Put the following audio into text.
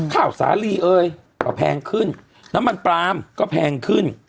ข้าวสาลีเอยก็แพงขึ้นน้ำมันปลามก็แพงขึ้น